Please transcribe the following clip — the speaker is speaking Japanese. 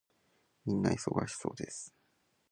皆忙しそうです。